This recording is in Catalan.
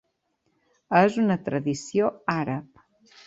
És una tradició àrab.